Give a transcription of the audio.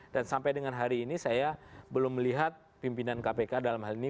dan sampai dengan hari ini saya belum melihat pimpinan kpk dalam hal ini